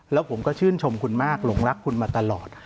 แล้วผมก็ชื่นชมคุณมากหลงรักคุณมาตลอด